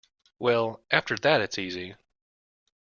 Well, after that it's easy.